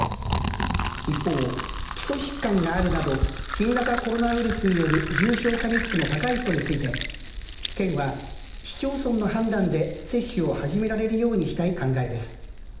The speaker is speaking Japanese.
一方基礎疾患があるなど新型コロナウイルスによる重症化リスクの高い人について県は、市町村の判断で接種を始められるようにしたい考えです。